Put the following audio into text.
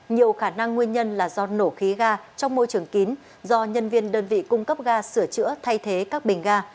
nhiều khả năng nguyên nhân là do nổ khí ga trong môi trường kín do nhân viên đơn vị cung cấp ga sửa chữa thay thế các bình ga